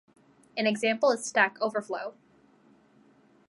An example is Stack Overflow.